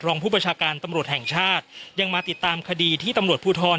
ผู้ประชาการตำรวจแห่งชาติยังมาติดตามคดีที่ตำรวจภูทร